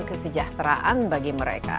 kesejahteraan bagi mereka